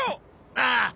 ああ！